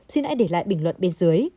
xin hãy để lại bình luận bên dưới